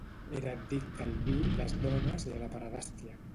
Era addicte al vi, les dones i a la pederàstia.